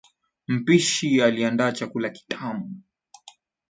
Mpishi aliandaa chakula kitamu